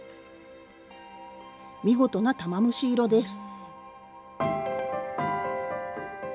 見事な玉虫色です。